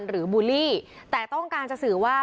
บูลลี่แต่ต้องการจะสื่อว่า